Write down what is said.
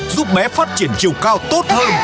giúp bé phát triển chiều cao tốt hơn